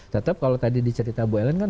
tetap kalau tadi dicerita bu ellen kan